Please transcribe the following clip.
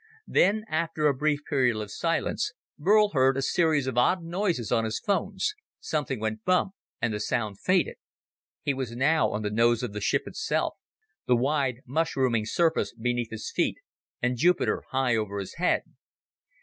Then, after a brief period of silence, Burl heard a series of odd noises on his phones, something went bump, and the sound faded. He was now on the nose of the ship itself, the wide mushrooming surface beneath his feet, and Jupiter high over his head.